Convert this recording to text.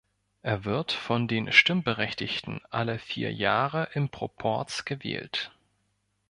Er wird von den Stimmberechtigten alle vier Jahre im Proporz gewählt.